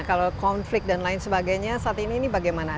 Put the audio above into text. kalau konflik dan lain sebagainya saat ini ini bagaimana